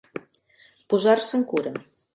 Posar-se en cura.